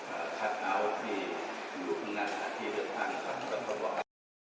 คัดเอาที่อยู่ขึ้นหน้าที่เดือนท่านครับ